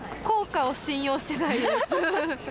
効果を信用してないです。